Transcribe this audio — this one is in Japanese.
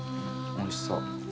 おいしそう。